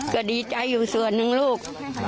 ก็ดีใจอยู่ส่วนหนึ่งลูก